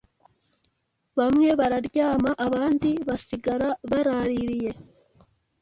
Bamwe bararyama abandi basigara baraririye